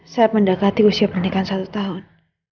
saya mendekati usia pernikahan satu tahun